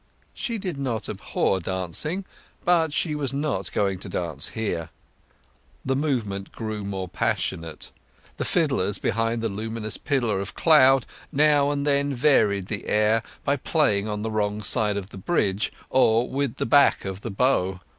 She did not abhor dancing, but she was not going to dance here. The movement grew more passionate: the fiddlers behind the luminous pillar of cloud now and then varied the air by playing on the wrong side of the bridge or with the back of the bow.